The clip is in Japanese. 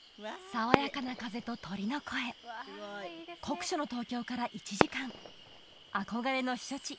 爽やかな風と鳥の声酷暑の東京から１時間憧れの避暑地